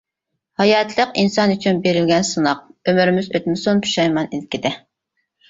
ھاياتلىق ئىنسان ئۈچۈن بېرىلگەن سىناق، ئۆمرىمىز ئۆتمىسۇن پۇشايمان ئىلكىدە.